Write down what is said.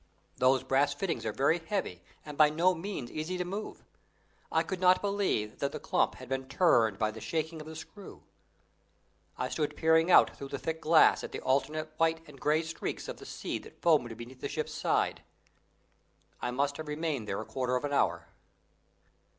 Those brass fittings are very heavy and by no means easy to move; I could not believe that the clump had been turned by the shaking of the screw. I stood peering out through the thick glass at the alternate white and grey streaks of the sea that foamed beneath the ship's side. I must have remained there a quarter of an hour.